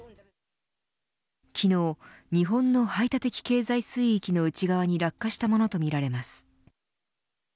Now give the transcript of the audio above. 昨日、日本の排他的経済水域の内側に落下したものとみられます。